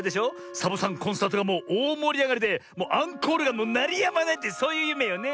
サボさんコンサートがもうおおもりあがりでもうアンコールがなりやまないってそういうゆめよね？